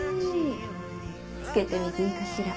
着けてみていいかしら？